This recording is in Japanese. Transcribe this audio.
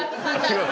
違う？